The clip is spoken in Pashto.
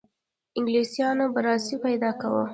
انګلیسیانو برلاسی پیدا کاوه.